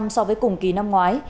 so với cùng kỳ năm ngoái